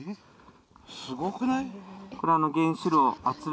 すごくない？